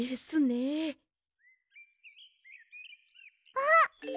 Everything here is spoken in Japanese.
あっ！